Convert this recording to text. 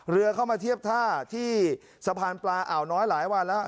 เรือเข้ามาเทียบท่าที่สะพานปลาอ่าวน้อยหลายวันแล้ว